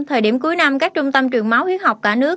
thời điểm cuối năm các trung tâm trường máu huyết học cả nước